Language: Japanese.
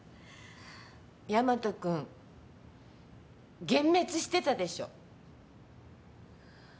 ヤマト君幻滅してたでしょ。